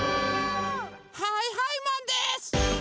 はいはいマンです！